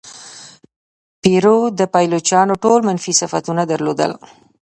پیرو د پایلوچانو ټول منفي صفتونه درلودل.